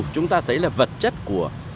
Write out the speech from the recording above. chúng ta thấy là vật chất của